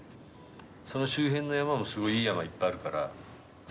その周辺の山もすごいいい山いっぱいあるから。